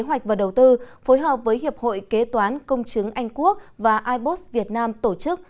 kế hoạch và đầu tư phối hợp với hiệp hội kế toán công chứng anh quốc và ibos việt nam tổ chức